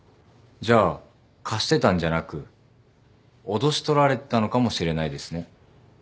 じゃあ貸してたんじゃなく脅し取られてたのかもしれないですね。